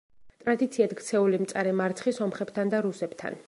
ტრადიციად ქცეული მწარე მარცხი სომხებთან და რუსებთან.